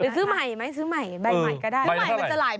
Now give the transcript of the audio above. หรือซื้อใหม่ไหมซื้อใหม่ใบใหม่ก็ได้ขนาดสองบาท